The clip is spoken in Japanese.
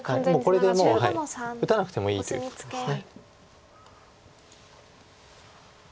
これでもう打たなくてもいいということです。